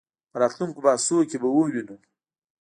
په راتلونکو بحثونو کې به ووینو.